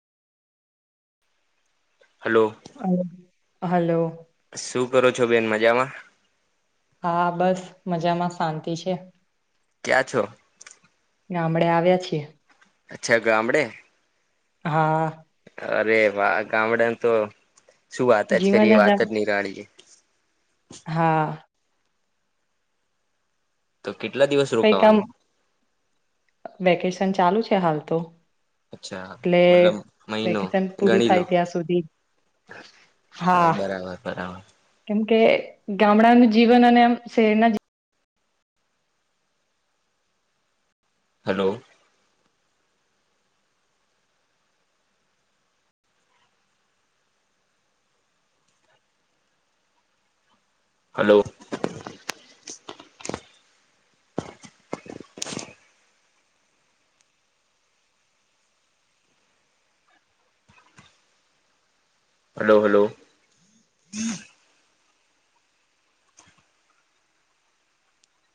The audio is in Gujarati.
હલો હલો હલો શું કરો છો બેન મજામાં હા બસ મજામાં શાંતિ છે ક્યા છો આામડે આવ્યા છીએ અચ્છા ગામડે હા અરે વા ગામડાને તો શું વાત જ જીવન કરી વાત આમ જ નહી રાડીએ હા તો કેટલા દિવસ કઈક આમ રોકાવાનું વેકેશન ચાલુ છે હાલ તો અચ્છા એટલે મતલબ મહિનો વેકેશન પૂરું ગણી લો થાય ત્યાં સુધી હા બરાબર બરાબર કેમ કે ગામડાનું જીવન અને આમ શેરના જ હલો હલો [inaudible] હલો હલો